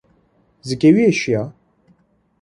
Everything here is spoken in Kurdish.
Zikê wî êşiya.